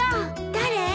誰？